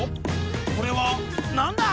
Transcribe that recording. これはなんだい？